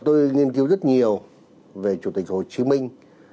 tôi nghiên cứu rất nhiều về chủ tịch hồ chí minh